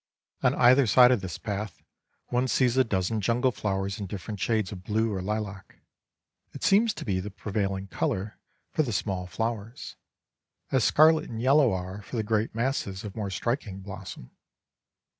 On either side of this path one sees a dozen jungle flowers in different shades of blue or lilac; it seems to be the prevailing colour for the small flowers, as scarlet and yellow are for the great masses of more striking blossom.